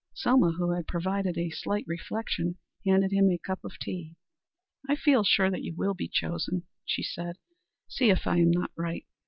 Selma, who had provided a slight refection, handed him a cup of tea. "I feel sure that you will be chosen," she said. "See if I am not right.